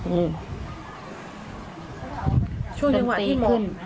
ช่วงจังหวะอัทธิศ